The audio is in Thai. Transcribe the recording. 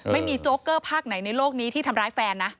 โจ๊กเกอร์ภาคไหนในโลกนี้ที่ทำร้ายแฟนนะ